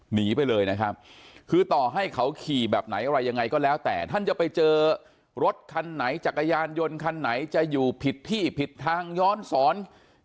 หนีไปเลยนะครับคือต่อให้เขาขี่แบบไหนอะไรยังไงก็แล้วแต่ท่านจะไปเจอรถคันไหนจักรยานยนต์คันไหนจะอยู่ผิดที่ผิดทางย้อนสอน